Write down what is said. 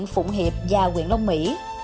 phụng hiệp và quyền long mỹ